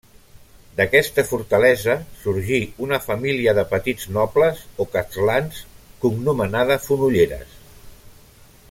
D'aquesta fortalesa sorgí una família de petits nobles o castlans cognomenada Fonolleres.